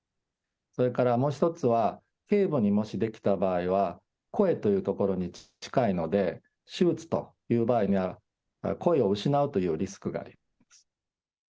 それからもう一つは、けい部にもし出来た場合は、声という所に近いので、手術という場合には、声を失うというリスクがあります。